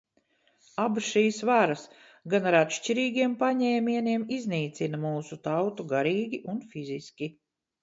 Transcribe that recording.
Abas šīs varas, gan ar atšķirīgiem paņēmieniem iznīcina mūsu tautu garīgi un fiziski.